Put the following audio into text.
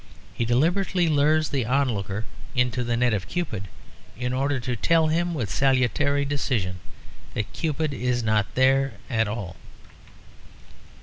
He deliberately lures the onlooker into the net of Cupid in order to tell him with salutary decision that Cupid is not there at all.